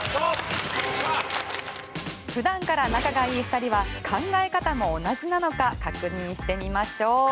普段から仲がいい２人は考え方も同じなのか確認してみましょう。